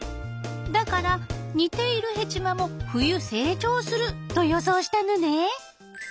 だから似ているヘチマも冬成長すると予想したのね。